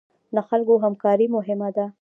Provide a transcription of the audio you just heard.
د خلکو همکاري مهمه ده